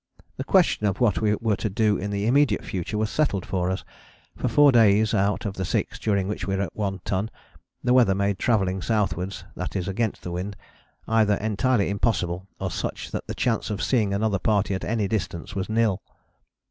The question of what we were to do in the immediate future was settled for us; for four days out of the six during which we were at One Ton the weather made travelling southwards, that is against the wind, either entirely impossible or such that the chance of seeing another party at any distance was nil.